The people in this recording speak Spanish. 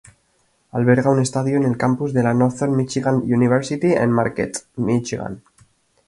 Alberga un estadio en el campus de la Northern Michigan University en Marquette, Michigan.